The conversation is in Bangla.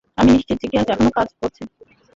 আমি নিশ্চিত যে গ্যাস এখনও কাজ করছে।